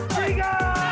satu dua tiga